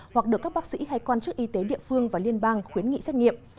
hoặc được các bác sĩ hay quan chức y tế địa phương và liên bang khuyến nghị xét nghiệm